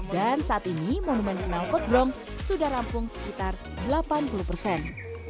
dan saat ini monumen kenalpot bronk sudah rampung sekitar delapan puluh persen